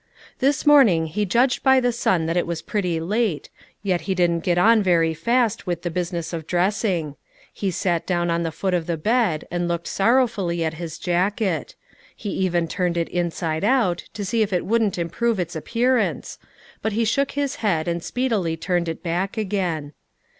This morning he judged by the sun that it was pretty late, yet he didn't get on very fast with the business of dressing: he sat down on the foot of the bed, and looked sorrowfully at his jacket; he even turned it inside out to see if it wouldn't improve its appearance, but he shook his head, and speedily turned it back again.